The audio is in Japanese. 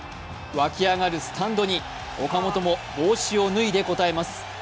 わき上がるスタンドに岡本も帽子を脱いで応えます。